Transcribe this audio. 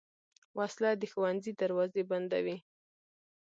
وسله د ښوونځي دروازې بندوي